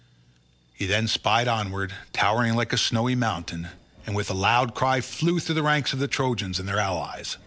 He then sped onward, towering like a snowy mountain, and with a loud cry flew through the ranks of the Trojans and their allies.